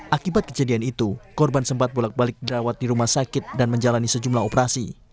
akibat kejadian itu korban sempat bolak balik dirawat di rumah sakit dan menjalani sejumlah operasi